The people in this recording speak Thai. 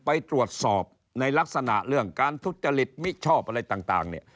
ไปตรวจสอบในลักษณะเรื่องการทุจริตมิชอบอะไรต่างเนี่ย